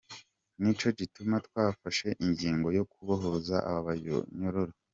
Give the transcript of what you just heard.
Nico gituma twafashe ingingo yo kubohoza aba banyororo".